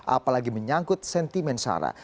apalagi menyangkut sentimen sarah